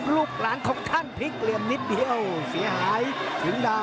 ลูกหลานของท่านพลิกเหลี่ยมนิดเดียวเสียหายถึงดา